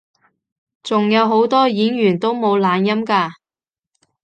仲有好多演員都冇懶音㗎